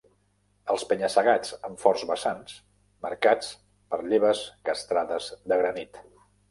Els penya-segats amb forts vessants, marcats per lleves castrades de granit